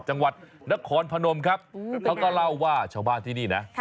จังหวัดนครพนมครับเขาก็เล่าว่าชาวบ้านที่นี่นะ